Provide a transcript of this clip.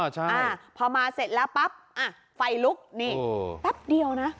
ใช่อ่าพอมาเสร็จแล้วปั๊บอ่ะไฟลุกนี่แป๊บเดียวนะ